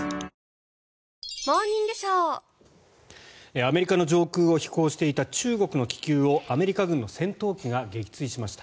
アメリカの上空を飛行していた中国の気球をアメリカ軍の戦闘機が撃墜しました。